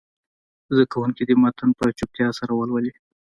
زده کوونکي دې متن په چوپتیا سره ولولي.